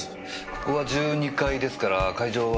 ここは１２階ですから会場は。